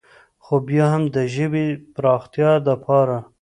خو بيا هم د ژبې د فراختيا دپاره